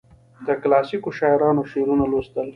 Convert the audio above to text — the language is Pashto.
د کلاسیکو شاعرانو شعرونه لوستل.